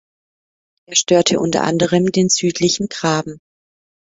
Er störte unter anderem den südlichen Graben.